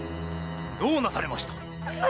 どうなされました？